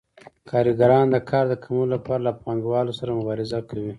کارګران د کار د کمولو لپاره له پانګوالو سره مبارزه کوي